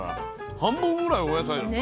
半分ぐらいお野菜で。